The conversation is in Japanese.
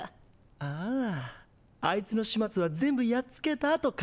ああアイツの始末は全部やっつけたあと考えよ。